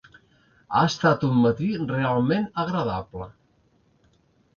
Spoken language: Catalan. Ha estat un matí realment agradable.